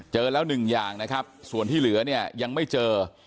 เจอแล้ว๑อย่างนะครับส่วนที่เหลือยังไม่เจอ